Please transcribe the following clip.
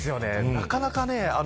なかなか。